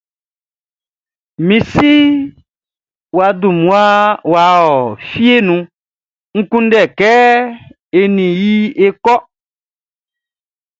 Mi si wʼa dun mmua wʼa ɔ fieʼn nun N kunndɛli kɛ e nin i é kɔ́.